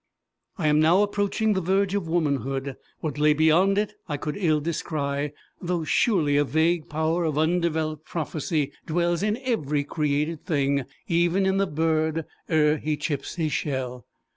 I was now approaching the verge of woman hood. What lay beyond it I could ill descry, though surely a vague power of undeveloped prophecy dwells in every created thing even in the bird ere he chips his shell.